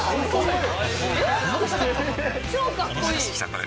これ。